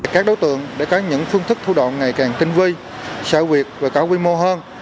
các đối tượng đã có những phương thức thu đoạn ngày càng kinh vi sở việc và cả quy mô hơn